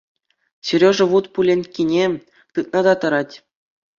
Сережа вут пуленккине тытнӑ та тӑрать.